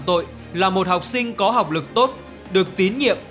tội là một học sinh có học lực tốt được tín nhiệm